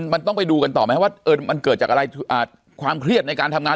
มันต้องไปดูกันต่อไหมว่ามันเกิดจากอะไรความเครียดในการทำงาน